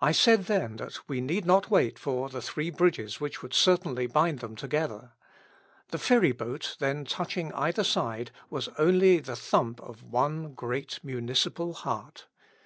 I said then that we need not wait for the three bridges which would certainly bind them together. The ferry boat then touching either side was only the thump of one great municipal heart.